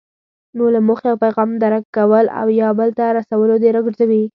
نو له موخې او پیغام درک کولو او یا بل ته رسولو دې راګرځوي.